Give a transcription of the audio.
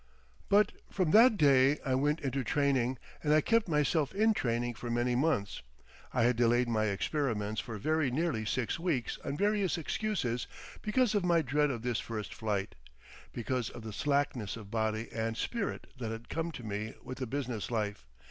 ... But from that day I went into training, and I kept myself in training for many months. I had delayed my experiments for very nearly six weeks on various excuses because of my dread of this first flight, because of the slackness of body and spirit that had come to me with the business life.